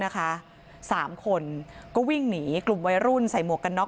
สามคนก็วิ่งหนีกลุ่มวัยรุ่นใส่หมวกกันน็